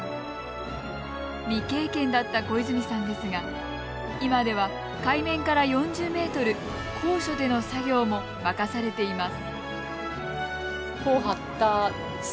未経験だった小泉さんですが今では海面から４０ｍ高所での作業も任されています。